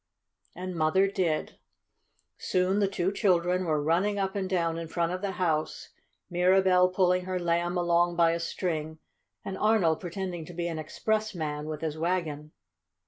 And Mother did. Soon the two children were running up and down in front of the house, Mirabell pulling her Lamb along by a string, and Arnold pretending to be an expressman with his wagon.